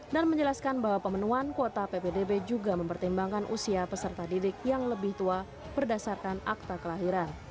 dan menjelaskan bahwa pemenuhan kuota ppdb juga mempertimbangkan usia peserta didik yang lebih tua berdasarkan akta kelahiran